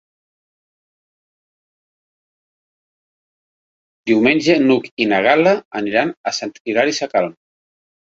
Diumenge n'Hug i na Gal·la aniran a Sant Hilari Sacalm.